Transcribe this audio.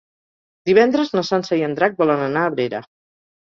Divendres na Sança i en Drac volen anar a Abrera.